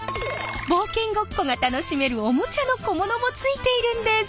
冒険ごっこが楽しめるおもちゃの小物もついているんです。